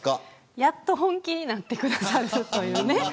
やっと本気になってくださるというね。